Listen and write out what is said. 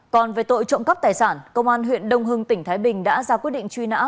còn về tội trộm cắp tài sản công an huyện đông hưng tỉnh thái bình đã ra quyết định truy nã